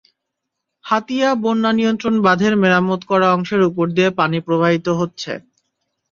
হাতিয়া বন্যানিয়ন্ত্রণ বাঁধের মেরামত করা অংশের ওপর দিয়ে পানি প্রবাহিত হচ্ছে।